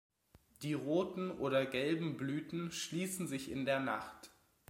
Die roten oder gelben Blüten schließen sich in der Nacht.